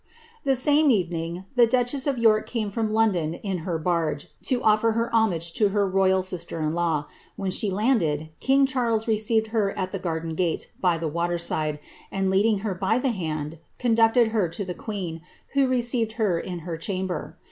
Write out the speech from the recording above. The same evening, the duchess of York came from London in ber barge, to ofler her homage to her royal sister in law. >Vhen she landed, king Charles received her at tlie garden gate, by the water side, ind leading her by tlie hand, conducted her to the queen, who received her in her chamber.